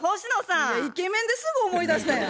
いやイケメンですぐ思い出したやん。